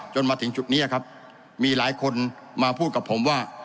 จนถึงจุดนี้ครับมีหลายคนมาพูดกับผมว่า